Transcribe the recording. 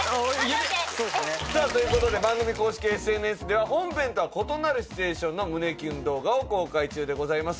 待って待って俺番組公式ＳＮＳでは本編とは異なるシチュエーションの胸キュン動画を公開中でございます